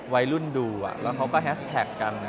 วัยรุ่นดูแล้วเขาก็แฮสแท็กกัน